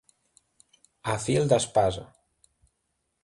A fil d'espasa.